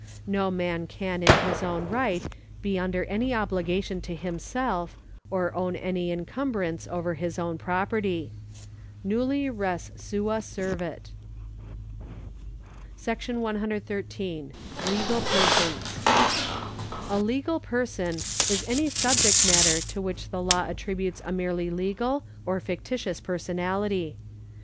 No man can in his own right be under any obligation to himself, or own any encumbrance over his own property. Nvlli res sua servit} § 113. Legal Persons. A legal person is any subject matter to which the law attributes a merely legal or fictitious personality.